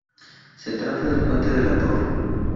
Se trata del Puente de la Torre.